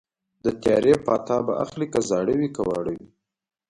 د تیارې پاتا به اخلي که زاړه وي که واړه وي